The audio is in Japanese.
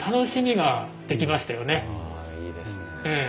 ああいいですね。